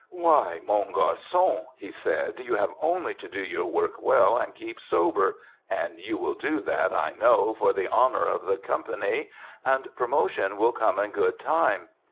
"Why, mon garçon," he said, "you have only to do your work well and keep sober and you will do that, I know, for the honour of the company and promotion will come in good time.